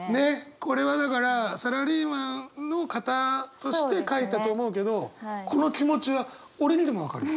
これはだからサラリーマンの方として書いたと思うけどこの気持ちは俺にでも分かる。